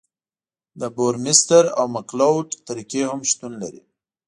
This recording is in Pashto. د بورمستر او مکلوډ طریقې هم شتون لري